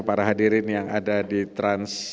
para hadirin yang ada di trans